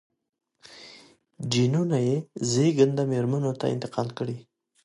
جینونه یې زېږنده مېرمنو ته انتقال کړي.